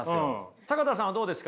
坂田さんはどうですか？